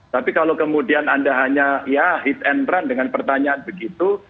tapi kalau kemudian anda hanya ya hits and run dengan pertanyaan begitu